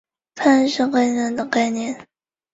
阿戈讷地区东巴勒人口变化图示